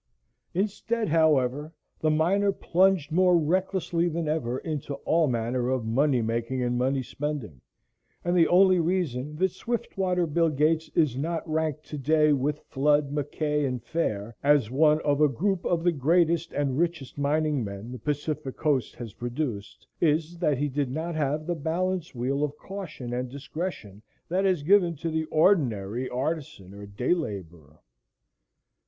Instead, however, the miner plunged more recklessly than ever into all manner of money making and money spending, and the only reason that Swiftwater Bill Gates is not ranked today with Flood, Mackay and Fair as one of a group of the greatest and richest mining men the Pacific Coast has produced, is that he did not have the balance wheel of caution and discretion that is given to the ordinary artisan or day laborer.